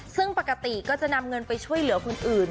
ซึ่งปกติก็จะนำเงินไปช่วยเหลือคนอื่น